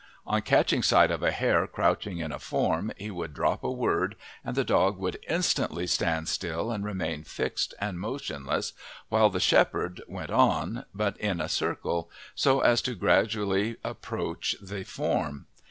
On catching sight of a hare crouching in a form he would drop a word, and the dog would instantly stand still and remain fixed and motionless, while the shepherd went on but in a circle so as gradually to approach the form.